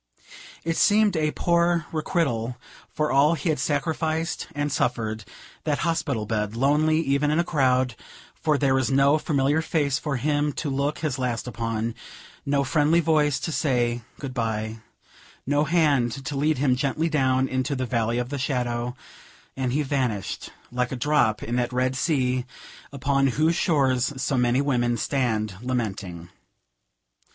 It seemed a poor requital for all he had sacrificed and suffered, that hospital bed, lonely even in a crowd; for there was no familiar face for him to look his last upon; no friendly voice to say, Good bye; no hand to lead him gently down into the Valley of the Shadow; and he vanished, like a drop in that red sea upon whose shores so many women stand lamenting.